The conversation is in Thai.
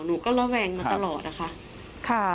หนูก็ระแวงมาตลอดนะคะ